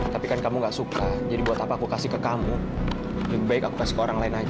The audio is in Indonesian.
tapi kan kamu gak suka jadi buat apa aku kasih ke kamu lebih baik aku kasih ke orang lain aja